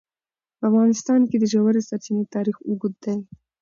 په افغانستان کې د ژورې سرچینې تاریخ اوږد دی.